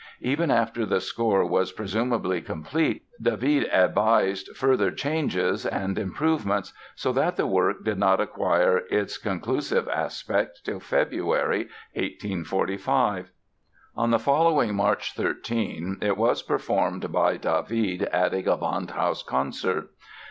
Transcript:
Even after the score was presumably complete David advised further changes and improvements, so that the work did not acquire its conclusive aspect till February, 1845. On the following March 13 it was performed by David at a Gewandhaus concert.